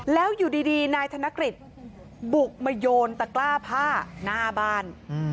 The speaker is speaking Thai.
แล้วอยู่ดีนายธนกฤษบุกมาโยนตะกล้าผ้าหน้าบ้าน